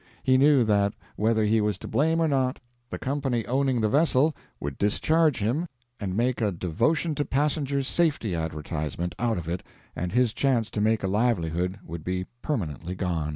He knew that, whether he was to blame or not, the company owning the vessel would discharge him and make a devotion to passengers' safety advertisement out of it, and his chance to make a livelihood would be permanently gone.